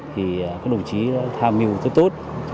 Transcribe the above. thì các đồng chí đã tham mưu tốt tốt